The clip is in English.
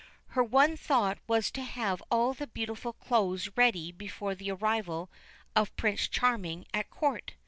Her one thought was to have all the beautiful clothes ready before the arrival of Prince Charming at court.